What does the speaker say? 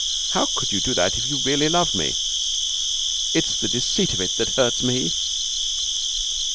How could you do that if you really loved me? It's the deceit of it that hurts me.'